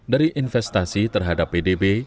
dari investasi terhadap pdb